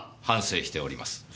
反省しております。